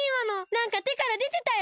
なんかてからでてたよ！？